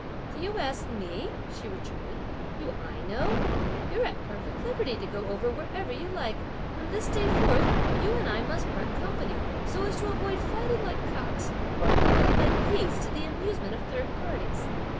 "Do you ask me?" she rejoined; "do I know? you're at perfect liberty to go over wherever you like; from this day forth you and I must part company so as to avoid fighting like cocks or brawling like geese, to the amusement of third parties.